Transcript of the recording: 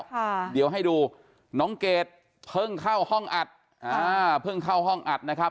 ค่ะเดี๋ยวให้ดูน้องเกดเพิ่งเข้าห้องอัดอ่าเพิ่งเข้าห้องอัดนะครับ